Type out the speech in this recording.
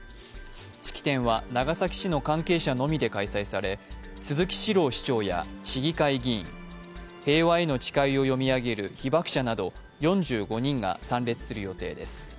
式典は長崎市の関係者のみで開催され、鈴木史朗市長や市議会議員、平和への誓いを読み上げる被爆者など４５人が参列する予定です。